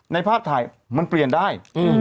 ในภาพถ่ายมันเปลี่ยนได้